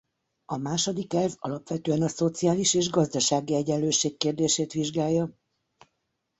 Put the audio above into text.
A második elv alapvetően a szociális és gazdasági egyenlőség kérdését vizsgálja.